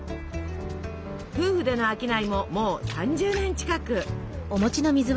夫婦での商いももう３０年近く。